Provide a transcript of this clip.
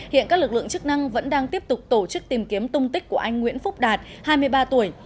hiện các lực lượng chức năng vẫn đang tiếp tục tổ chức tìm kiếm tung tích của anh nguyễn phúc đạt hai mươi ba tuổi